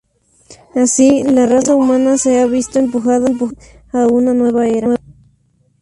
Así, la raza humana se ha visto empujada a una nueva era.